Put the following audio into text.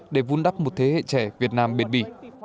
để vun đắp một thế hệ trẻ việt nam bền bỉ